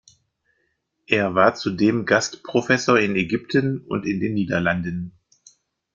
Er war zudem Gastprofessor in Ägypten und in den Niederlanden.